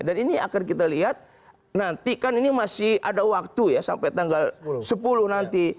dan ini akan kita lihat nanti kan ini masih ada waktu ya sampai tanggal sepuluh nanti